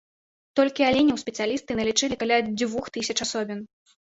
Толькі аленяў спецыялісты налічылі каля дзвюх тысяч асобін.